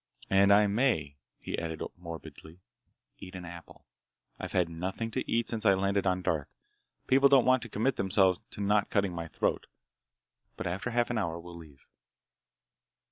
And I may," he added morbidly, "eat an apple. I've had nothing to eat since I landed on Darth. People don't want to commit themselves to not cutting my throat. But after half an hour we'll leave."